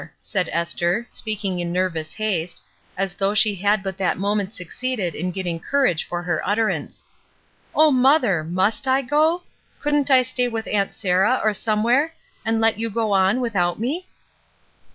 said Esther, speaking in V^ nervous haste, as though she had but that moment succeeded in getting courage for her utterance. "0 mother, must I go? Couldn^t I stay with Aunt Sarah or somewhere and let you go on, without me?''